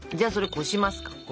こします。